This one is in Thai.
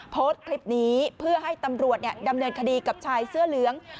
โพสต์คลิปนี้เพื่อให้ตำรวจดำเนินคดีกับชายเสื้อเหลือง